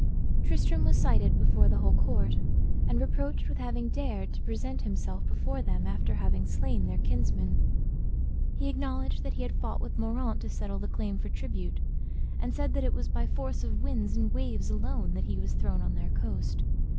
Tristram was cited before the whole court, and reproached with having dared to present himself before them after having slain their kinsman. He acknowledged that he had fought with Moraunt to settle the claim for tribute, and said that it was by force of winds and waves alone that he was thrown on their coast.